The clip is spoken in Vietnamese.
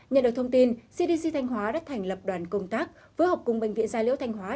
nhận được thông tin cdc thành hóa đã thành lập đoàn công tác với hợp cung bệnh viện gia liễu thành hóa